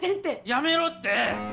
やめろって！